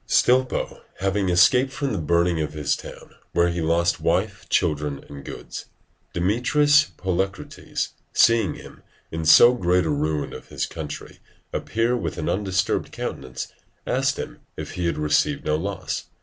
Stilpo having escaped from the burning of his town, where he lost wife, children, and goods, Demetrius Poliorcetes seeing him, in so great a ruin of his country, appear with an undisturbed countenance, asked him if he had received no loss?